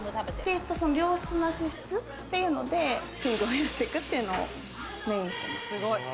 良質な脂質っていうので、筋肉を増やしていくっていうのをメインにしています。